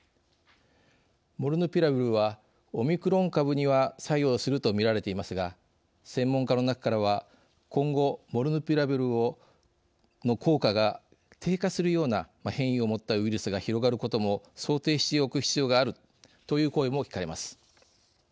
モルヌピラビルはオミクロン株には作用するとみられていますが専門家の中からは「今後モルヌピラビルの効果が低下するような変異をもったウイルスが広がることも想定しておく必要がある」という声も聞かれます。